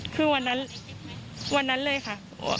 คือวันนั้นวันนั้นเลยค่ะ